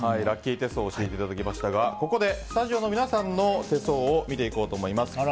ラッキー手相を教えていただきましたがここでスタジオの皆さんの手相を見ていこうと思います。